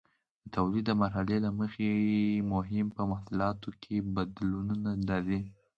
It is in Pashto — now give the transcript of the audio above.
د تولید د مرحلې له مخې هم په محصولاتو کې بدلونونه راځي.